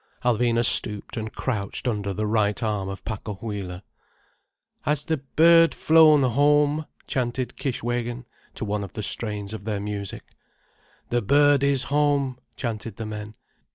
Alvina stooped and crouched under the right arm of Pacohuila. "Has the bird flown home?" chanted Kishwégin, to one of the strains of their music. "The bird is home—" chanted the men.